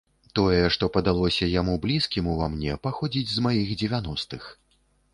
Тое, што падалося яму блізкім ува мне, паходзіць з маіх дзевяностых.